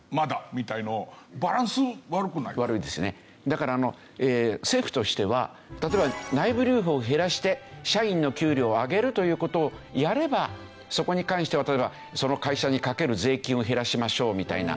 だから政府としては例えば内部留保を減らして社員の給料を上げるという事をやればそこに関しては例えばその会社にかける税金を減らしましょうみたいな。